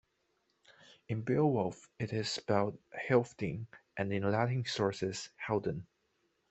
In "Beowulf" it is spelled Healfdene, and in Latin sources Haldan.